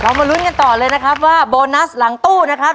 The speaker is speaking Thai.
มาลุ้นกันต่อเลยนะครับว่าโบนัสหลังตู้นะครับ